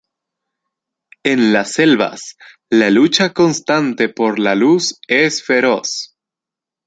En las selvas, la lucha constante por la luz es feroz.